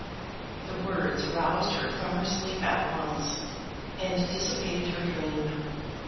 The words roused her from her sleep at once, and dissipated her dream.